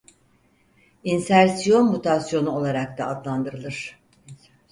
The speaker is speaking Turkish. İnsersiyon mutasyonu olarak da adlandırılır.